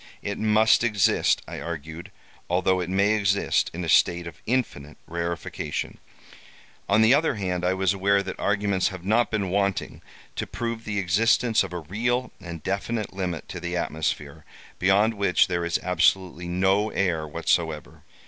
It must exist, I argued; although it may exist in a state of infinite rarefaction. "On the other hand, I was aware that arguments have not been wanting to prove the existence of a real and definite limit to the atmosphere, beyond which there is absolutely no air whatsoever.